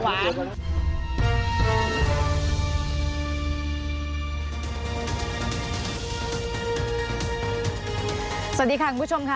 ว่าพ่อและแม่นี่ไปอยู่ตรงไหนครับ